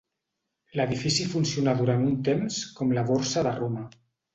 L'edifici funcionà durant un temps com la Borsa de Roma.